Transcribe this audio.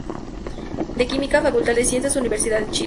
De Química, Facultad de Ciencias, Universidad de Chile.